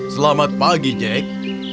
selamat pagi jack